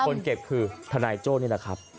เก็บคือทนายโจ้นี่แหละครับ